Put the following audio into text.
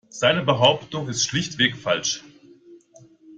Seine Behauptung ist schlichtweg falsch.